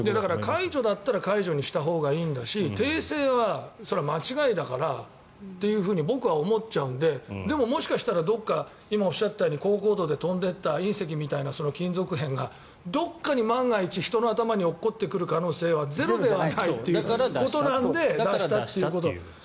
解除だったら解除って言ったほうがいいし訂正は、それは間違いだからっていうふうに僕は思っちゃうのででも、もしかしたら高高度で飛んでいった隕石みたいな金属片がどこかに万が一人の頭に落ちてくる可能性はゼロではないということなのでだから出したっていうこと。